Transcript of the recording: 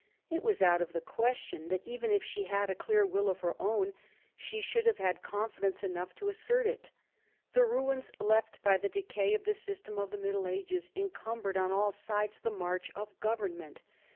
It was out of the question that even if she had a clear will of her own, she should have had confidence enough to assert it. The ruins left by the decay of the system of the Middle Ages encumbered on all sides the march of government.